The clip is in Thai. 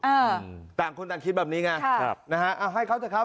อ่าต่างคนต่างคิดแบบนี้ไงครับนะฮะเอาให้เขาเถอะครับ